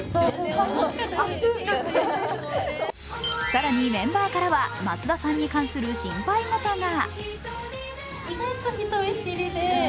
更にメンバーからは松田さんに関する心配事が。